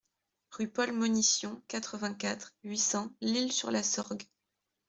Rue Paul Monition, quatre-vingt-quatre, huit cents L'Isle-sur-la-Sorgue